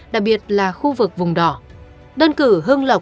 đặc biệt là khu vực vùng đỏ